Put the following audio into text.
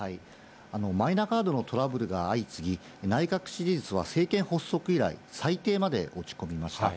マイナカードのトラブルが相次ぎ、内閣支持率は政権発足以来、最低まで落ち込みました。